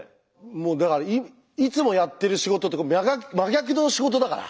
もうだからいつもやってる仕事と真逆の仕事だから。